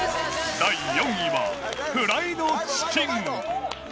第４位は、フライドチキン。